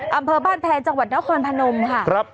อำเภอบ้านแพนจังหวัดน้องคอนพนมค่ะครับ